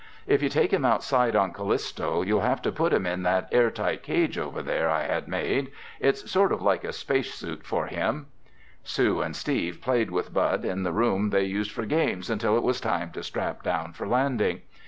"If you take him outside on Callisto, you'll have to put him in that air tight cage over there I had made. It's sort of like a space suit for him." Sue and Steve played with Bud in the room they used for games until it was time to "strap down" for landing.